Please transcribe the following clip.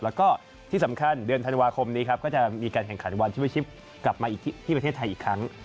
แล้วก็ที่สำคัญเดือนธันวาคมนี้ครับก็จะมีการแข่งขันวันชิวิชิปกลับมาอีกที่ประเทศไทยอีกครั้ง